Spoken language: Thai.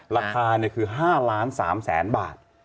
ราคาเนี่ยคือ๕ล้าน๓แสนบาท